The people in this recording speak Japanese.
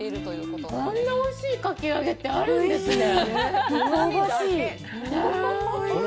こんなおいしいかき揚げってあるんですね！？